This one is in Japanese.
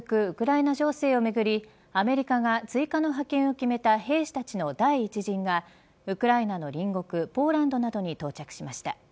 ウクライナ情勢をめぐりアメリカが追加の派遣を決めた兵士たちの第１陣がウクライナの隣国ポーランドなどに到着しました。